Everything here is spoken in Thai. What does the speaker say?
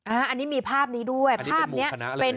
อันนี้มีภาพนี้ด้วยอันนี้เป็นมุมคณะอะไรเนี่ย